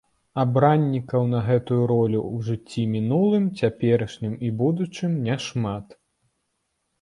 Абраннікаў на гэтую ролю ў жыцці мінулым, цяперашнім і будучым няшмат.